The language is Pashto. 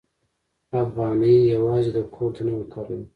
افغانۍ یوازې د کور دننه کاروو.